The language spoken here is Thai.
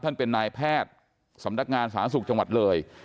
ท่านเป็นนายแพทย์สำนักงานศาลสุขชาติเหลย